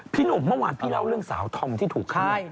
พี่หนุ่มเมื่อวานพี่เล่าเรื่องสาวธอมที่ถูกฆ่า